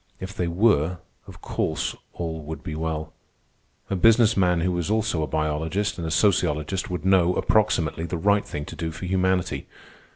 If they were, of course all would be well. A business man who was also a biologist and a sociologist would know, approximately, the right thing to do for humanity.